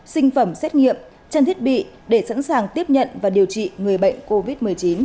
sinh phẩm xét nghiệm trang thiết bị để sẵn sàng tiếp nhận và điều trị người bệnh covid một mươi chín